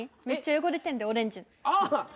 めっちゃ汚れてんでオレンジの。